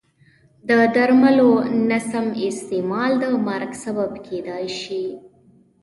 د درملو نه سم استعمال د مرګ سبب کېدای شي.